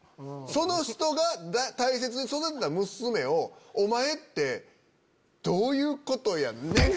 その人が大切に育てた娘を「お前」ってどういうことやねん！